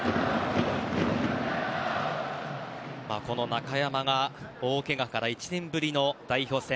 中山、大けがから１年ぶりの代表戦。